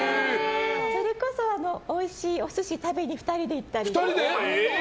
それこそ、おいしいお寿司食べに２人で行ったりとか。